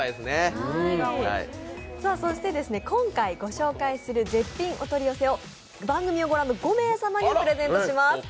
今回ご紹介する絶品お取り寄せを番組を御覧の５名様にプレゼントします。